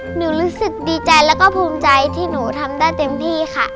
รู้สึกดีใจแล้วก็ภูมิใจที่หนูทำได้เต็มที่ค่ะ